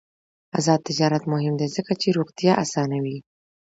آزاد تجارت مهم دی ځکه چې روغتیا اسانوي.